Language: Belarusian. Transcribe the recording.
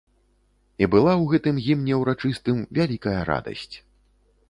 І была ў гэтым гімне ўрачыстым вялікая радасць.